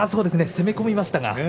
攻め込みましたね。